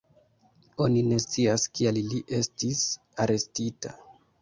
Oni ne scias kial li estis arestita.